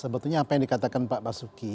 sebetulnya apa yang dikatakan pak basuki